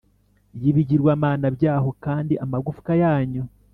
Y ibigirwamana byabo kandi amagufwa yanyu